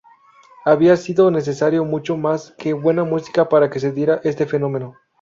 Había sido necesario mucho más que buena música para que se diera este fenómeno.